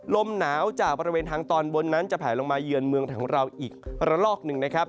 ลมหนาวจากบริเวณทางตอนบนนั้นจะแผลลงมาเยือนเมืองของเราอีกระลอกหนึ่งนะครับ